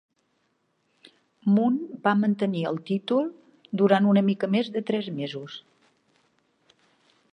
Munn va mantenir el títol durant una mica més de tres mesos.